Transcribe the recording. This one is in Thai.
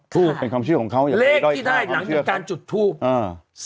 ทูบเป็นความเชื่อของเขาอย่างเลขที่ได้หลังจากการจุดทูปอ่า